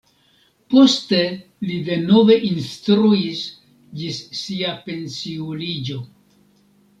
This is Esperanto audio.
Poste li denove instruis ĝis sia pensiuliĝo.